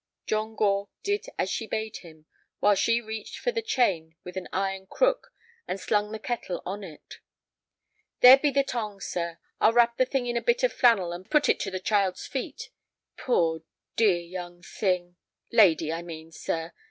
John Gore did as she bade him, while she reached for the chain with an iron crook and slung the kettle on it. "There be the tongs, sir. I'll wrap the thing in a bit of flannel and put it to the child's feet. Poor, dear young thing—lady, I mean, sir.